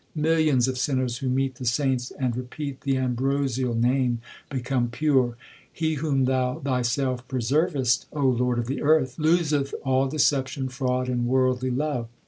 Millions of sinners who meet the saints And repeat the ambrosial Name become pure. He whom Thou Thyself preservest, O Lord of the earth, Loseth all deception, fraud, and worldly love.